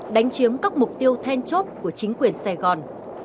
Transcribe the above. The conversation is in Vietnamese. đánh chiếm các mục tiêu then chốt của chính quyền sài gòn